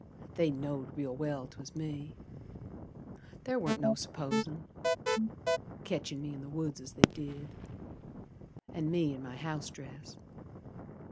They know'd real well 'twas me. Ther warn't no supposin', Ketchin' me in the woods as they did, An' me in my house dress.